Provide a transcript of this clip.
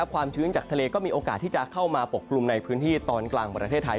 ความชื้นจากทะเลก็มีโอกาสที่จะเข้ามาปกกลุ่มในพื้นที่ตอนกลางประเทศไทย